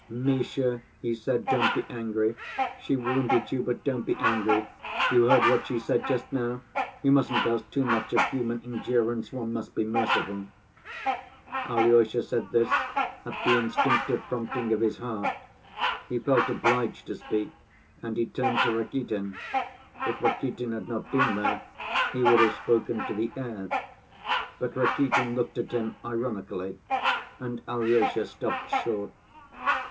"Misha," he said, "don't be angry. She wounded you, but don't be angry. You heard what she said just now? You mustn't ask too much of human endurance, one must be merciful." Alyosha said this at the instinctive prompting of his heart. He felt obliged to speak and he turned to Rakitin. If Rakitin had not been there, he would have spoken to the air. But Rakitin looked at him ironically and Alyosha stopped short.